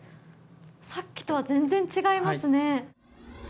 さっきとは全然違いますね。